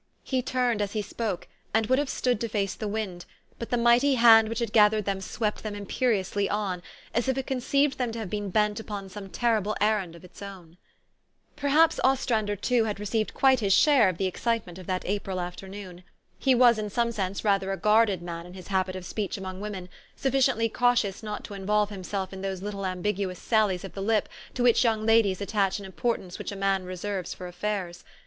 86 THE STORY OF AVIS. He turned as he spoke, and would have stood to face the wind ; but the mighty hand which had gath ered them swept them imperiously on, as if it con ceived them to have been bent upon some terrible errand of its own. Perhaps Ostrander, too, had received quite his share of the excitement of that April afternoon. He was in some sense rather a guarded man in his habit of speech among women, sufficiently cautious not to involve himself in those little ambiguous sallies of the lip to which young ladies attach an importance which a man reserves for affairs.